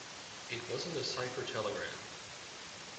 It wasn't a cipher telegram.